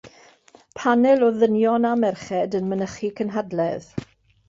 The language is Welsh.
Panel o ddynion a merched yn mynychu cynhadledd.